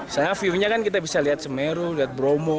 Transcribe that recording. saya view nya kan kita bisa lihat semeru lihat bromo